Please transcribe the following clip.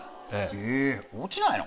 ええ。落ちないの？